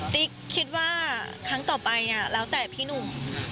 ติ๊กคิดว่าครั้งต่อไปแล้วแต่พี่หนุ่ม